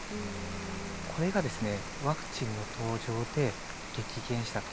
これがですねワクチンの登場で激減したと。